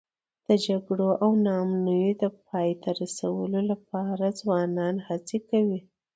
د جګړو او ناامنیو د پای ته رسولو لپاره ځوانان هڅې کوي.